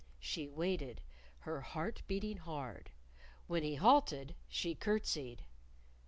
She waited, her heart beating hard. When he halted, she curtsied.